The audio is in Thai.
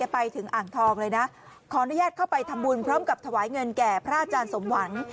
ไปถึงอ่างทองเลยนะขออนุญาตเข้าไปทำบุญพร้อมกับถวายเงินแก่พระอาจารย์สมหวัง